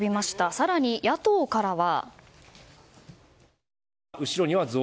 更に、野党からは。